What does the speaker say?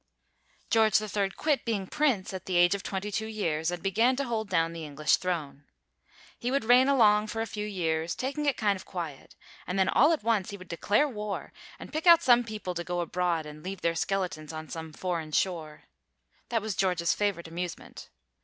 George III quit being prince at the age of 22 years, and began to hold down the English throne. He would reign along for a few years, taking it kind of quiet, and then all at once he would declare war and pick out some people to go abroad and leave their skeletons on some foreign shore. That was George's favorite amusement.